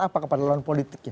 apa kepada lawan politiknya